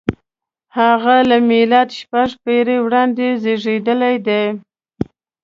• هغه له مېلاده شپږ پېړۍ وړاندې زېږېدلی دی.